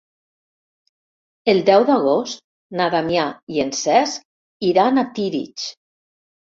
El deu d'agost na Damià i en Cesc iran a Tírig.